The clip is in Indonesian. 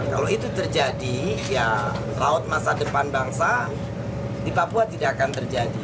kalau itu terjadi ya laut masa depan bangsa di papua tidak akan terjadi